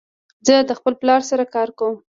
زه د خپل پلار سره کار کوم.